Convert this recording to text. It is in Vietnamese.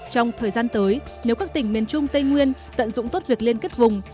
trong thời gian tới nếu các tỉnh miền trung tây nguyên tận dụng tốt việc liên kết vùng